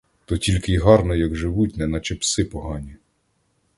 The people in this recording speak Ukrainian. То тільки й гарно, як живуть неначе пси погані.